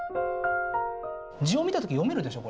字を見た時読めるでしょ？